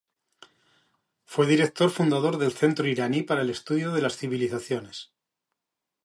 Fue director fundador del Centro Iraní para el Estudio de las Civilizaciones.